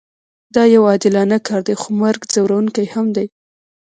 دا یو عادلانه کار دی خو مرګ ځورونکی هم دی